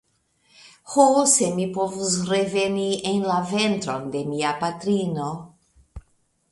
Ho, se mi povus reveni en la ventron de mia patrino!